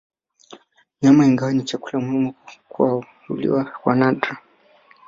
Nyama ingawa ni chakula muhimu kwao huliwa kwa nadra